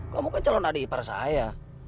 kamu kan calon adik ipar saya